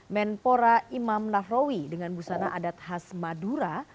menpora imam nahrawi dengan busana adat khas madura